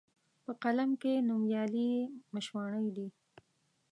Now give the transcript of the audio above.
په قلم کښي نومیالي یې مشواڼي دي